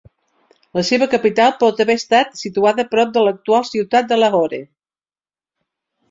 La seva capital pot haver estat situada prop de l'actual ciutat de Lahore.